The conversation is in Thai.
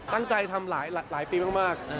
ตั้งใจทำหลายปีมาก